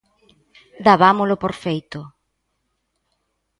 Dabámolo por feito.